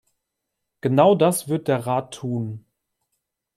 Genau das wird der Rat tun.